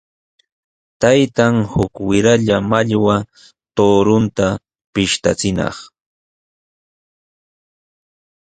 Taytan uk wiralla mallwa tuuruta pishtachinaq.